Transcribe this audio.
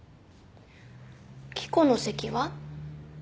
希子の席は？